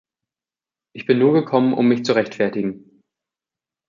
Ich bin nur gekommen, um mich zu rechtfertigen.